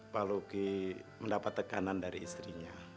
pak luki mendapat tekanan dari istrinya